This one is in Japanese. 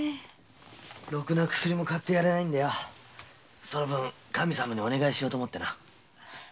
ろくな薬も買ってやれないんでその分神様にお願いしようと思ってな。